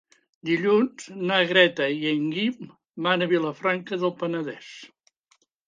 Dilluns na Greta i en Guim van a Vilafranca del Penedès.